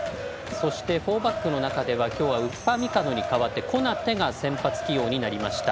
４バックの中ではウパミカノに代わってコナテが先発起用になりました。